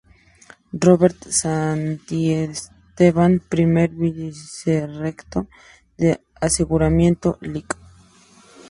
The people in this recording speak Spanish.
Roberto Santiesteban, primer Vicerrector de Aseguramiento; Lic.